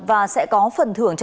và sẽ có phần thử nghiệm